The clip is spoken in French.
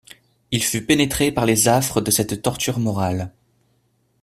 Il fut pénétré par les affres de cette torture morale.